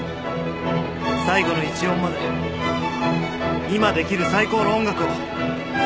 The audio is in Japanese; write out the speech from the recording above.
最後の一音まで今できる最高の音楽を！